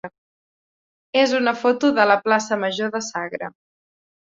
és una foto de la plaça major de Sagra.